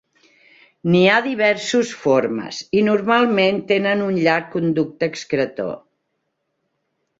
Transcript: N’hi ha diversos formes i normalment tenen un llarg conducte excretor.